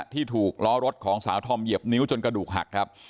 ที่ถูกล้อรถของสาวธอมเหยียบนิ้วจนกระดูกหักครับ